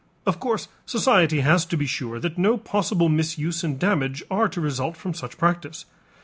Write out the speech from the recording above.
Of course society has to be sure that no possible misuse and damage are to result from such practice.